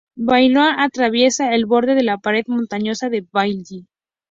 Bailly A atraviesa el borde de la pared montañosa de Bailly.